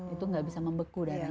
itu nggak bisa membeku darah